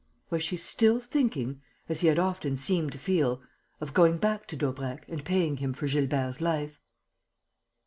Was she still thinking, as he had often seemed to feel, of going back to Daubrecq and paying him for Gilbert's life?